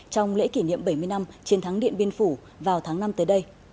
trong lễ kỷ niệm bảy mươi năm chiến thắng điện biên phủ vào tháng năm tới đây